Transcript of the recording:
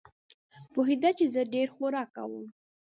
پوهېده چې زه ډېر خوراک کوم.